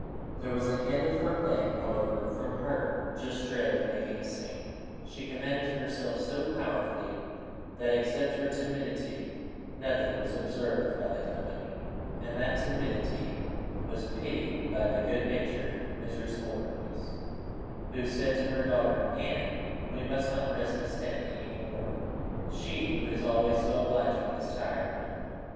There was an end of her playing; however, from her just dread of making a scene, she commanded herself so powerfully, that, except her timidity, nothing was observed by the company, and that timidity was pitied by the good natured Mrs. Holdernesse, who said to her daughter, "Anne, we must not press Miss Stanley any more; she, who is always so obliging, is tired now."